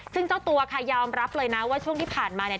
ซึ่งเจ้าตัวค่ะยอมรับเลยนะว่าช่วงที่ผ่านมาเนี่ย